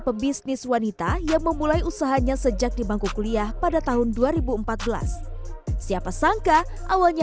pebisnis wanita yang memulai usahanya sejak di bangku kuliah pada tahun dua ribu empat belas siapa sangka awalnya